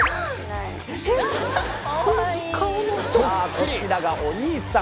こちらがお兄さん。